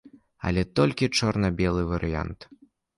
Але толькі чорна-белы варыянт.